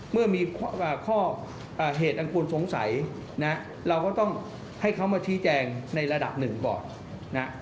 เมื่อมีข้อเหตุอันควรสงสัยนะเราก็ต้องให้เขามาชี้แจงในระดับหนึ่งก่อนนะ